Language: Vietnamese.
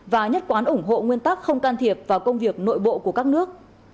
và nhất quán ủng hộ nguyên tắc không can thiệp vào công việc nội bộ của các nước